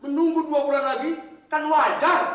menunggu dua bulan lagi kan wajar